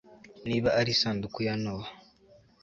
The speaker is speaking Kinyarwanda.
niba ari isanduku ya nowa